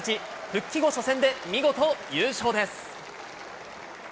復帰後初戦で、見事優勝です。